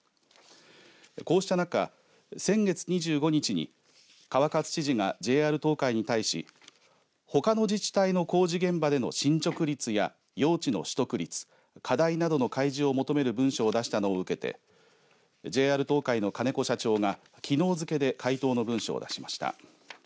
こうした中、先月２５日に川勝知事がＪＲ東海に対しほかの自治体の工事現場での進捗率や用地の取得率、課題などの開示を求める文書を出したのを受けてＪＲ東海の金子社長がきのう付けで回答の文書を出しました。